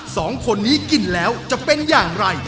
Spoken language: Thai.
สองคนนี้กินแล้วจะเป็นอย่างไร